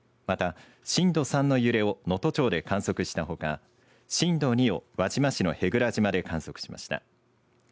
また震度３の揺れを能登町で観測したほか震度２を輪島市の舳倉島で観測しました。